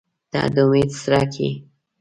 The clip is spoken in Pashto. • ته د امید څرک یې.